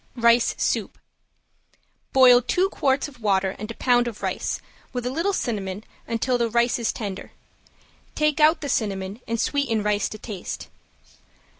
~RICE SOUP~ Boil two quarts of water and a pound of rice, with a little cinnamon, until the rice is tender. Take out the cinnamon and sweeten rice to taste.